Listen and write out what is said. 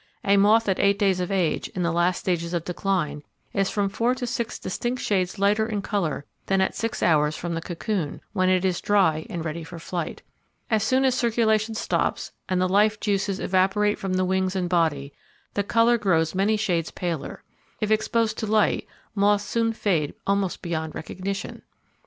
A moth at eight days of age, in the last stages of decline, is from four to six distinct shades lighter in colour than at six hours from the cocoon, when it is dry, and ready for flight. As soon as circulation stops, and the life juices evaporate from the wings and body, the colour grows many shades paler. If exposed to light, moths soon fade almost beyond recognition.